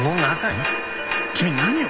君何を？